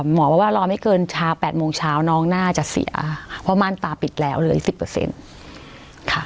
หมอบอกว่ารอไม่เกินชา๘โมงเช้าน้องน่าจะเสียเพราะม่านตาปิดแล้วเลย๑๐ค่ะ